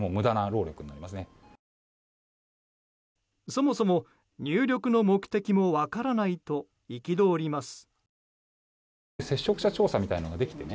そもそも入力の目的も分からないと憤ります。